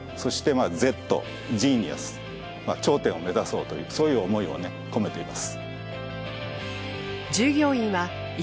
まあ頂点を目指そうというそういう思いをね込めています。